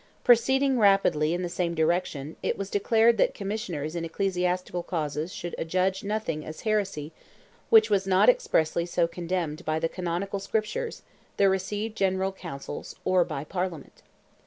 Proceeding rapidly in the same direction, it was declared that commissioners in ecclesiastical causes should adjudge nothing as heresy which was not expressly so condemned by the Canonical Scriptures, the received General Councils, or by Parliament.